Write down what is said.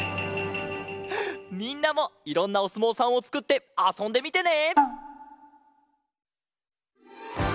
みんなもいろんなおすもうさんをつくってあそんでみてね！